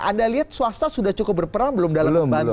anda lihat swasta sudah cukup berperan belum dalam membantu